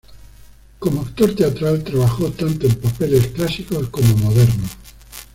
Como actor teatral, trabajó tanto en papeles clásicos como modernos.